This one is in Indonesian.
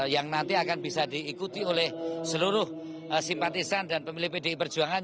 yang nanti akan bisa diikuti oleh seluruh simpatisan dan pemilih pdi perjuangan